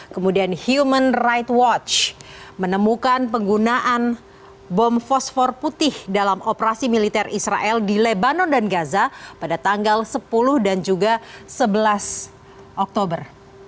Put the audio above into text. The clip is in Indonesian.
kemudian human right watch menemukan penggunaan bom fosfor putih dalam operasi militer israel di lebanon dan gaza pada tanggal sepuluh dan juga sebelas oktober